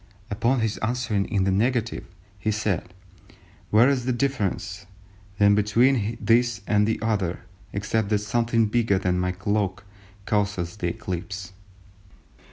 Upon his answering in the negative, he said, 'Where is the difference, then between this and the other, except that something bigger than my cloak causes the eclipse?